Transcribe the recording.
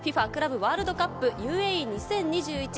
ＦＩＦＡクラブワールドカップＵＡＥ２０２１。